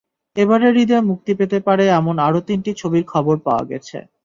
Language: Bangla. এবারের ঈদে মুক্তি পেতে পারে এমন আরও তিনটি ছবির খবর পাওয়া গেছে।